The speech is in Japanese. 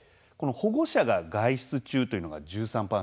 保護者が外出中というのが１３％。